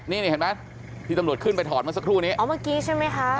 นี่เห็นมั้ยที่ตำรวจขึ้นไปถอดมันสักครู่นี้อ๋อเมื่อกี้ใช่มั้ยคะ